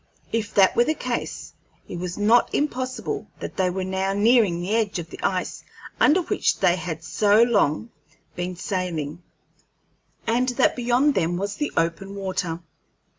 If that were the case, it was not impossible that they were now nearing the edge of the ice under which they had so long been sailing, and that beyond them was the open water.